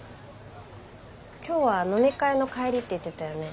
今日は飲み会の帰りって言ってたよね？